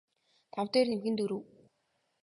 тав дээр нэмэх нь дөрөв